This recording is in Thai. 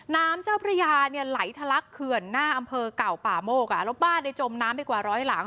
น้ำเจ้าพระยาเนี่ยไหลทะลักเขื่อนหน้าอำเภอเก่าป่าโมกแล้วบ้านในจมน้ำไปกว่าร้อยหลัง